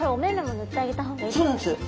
そうなんです。